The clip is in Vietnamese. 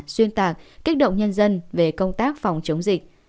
xuyên tạc kích động nhân dân về công tác phòng chống dịch